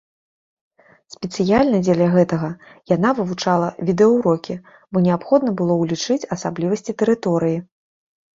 Спецыяльна дзеля гэтага яна вывучала відэаўрокі, бо неабходна было ўлічыць асаблівасці тэрыторыі.